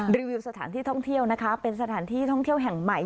วิวสถานที่ท่องเที่ยวนะคะเป็นสถานที่ท่องเที่ยวแห่งใหม่